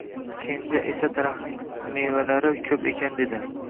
Kenja esa Daraxtning mevalari ko`p ekan dedi